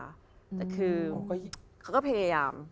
แต่คือเขาก็พยายาม